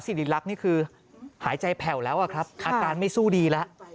สิริรักษ์นี่คือหายใจแผ่วแล้วอะครับอาการไม่สู้ดีแล้ว